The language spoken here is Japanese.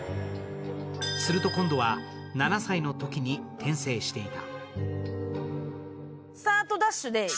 すると今度は、７歳のときに転生していた。